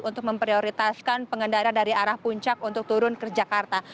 untuk memprioritaskan pengendara dari arah puncak untuk turun ke jakarta